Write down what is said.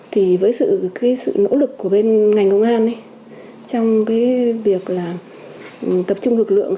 thì với sự nỗ lực của bên ngành công an trong việc tập trung lực lượng